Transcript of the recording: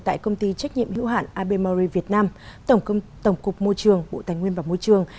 tại công ty trách nhiệm hữu hạn ab mauri việt nam tổng cục môi trường bộ tài nguyên và môi trường